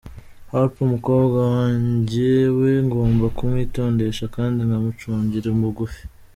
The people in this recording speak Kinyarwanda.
Harper umukobwa wajnye we ngomba kumwitondesha kandi nkamucungira bugufi.